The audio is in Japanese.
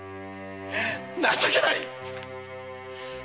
情けない！